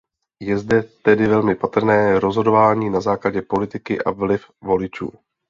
Je zde tedy velmi patrné rozhodování na základě politiky a vliv voličů.